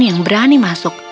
yang berani masuk